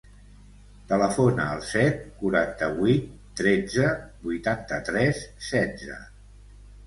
Telefona al set, quaranta-vuit, tretze, vuitanta-tres, setze.